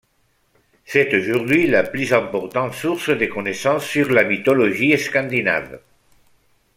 C'est aujourd'hui la plus importante source de connaissances sur la mythologie scandinave.